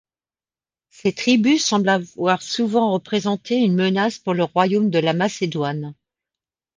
Ces tribus semblent avoir souvent représenté une menace pour le royaume de la Macédoine.